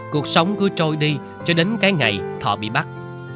cuộc sống cứ trôi đi cho đến cái ngày thọ bị bắt